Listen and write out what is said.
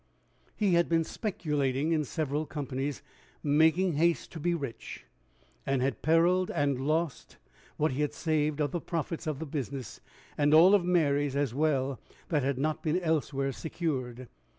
He had been speculating in several companies, making haste to be rich, and had periled and lost what he had saved of the profits of the business, and all of Mary's as well that had not been elsewhere secured.